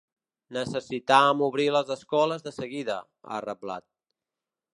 Necessitam obrir les escoles de seguida, ha reblat.